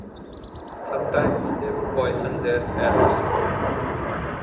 Sometimes they would poison their arrows.